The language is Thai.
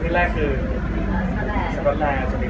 ไว้เราเริ่มเข้าสู่ประมาชาติแล้วก็เหนื่อย